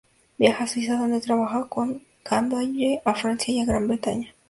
Viaja a Suiza donde trabaja con Candolle; a Francia y a Gran Bretaña.